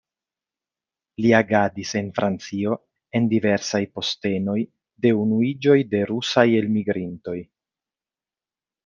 Li agadis en Francio en diversaj postenoj de Unuiĝoj de rusaj elmigrintoj.